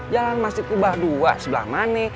jalan masjid kubah dua sebelah mana